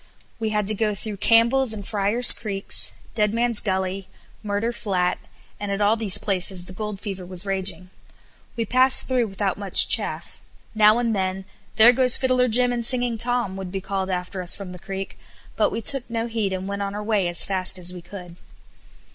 We had to go through Campbell's and Fryar's Creeks, Deadman's Gully, Murder Flat, and at all these places the gold fever was raging. We passed through without much chaff; now and then, "There goes Fiddler Jim and Singing Tom" would be called after us from the creek, but we took no heed and went on our way as fast as we could.